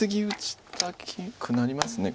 打ちたくなります